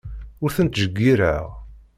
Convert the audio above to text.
Ur ten-ttjeyyireɣ.